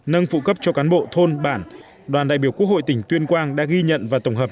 nâng phụ cấp cho cán bộ thôn bản đoàn đại biểu quốc hội tỉnh tuyên quang đã ghi nhận và tổng hợp